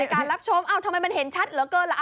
ในการรับชมทำไมมันเห็นชัดเหรอเกินละ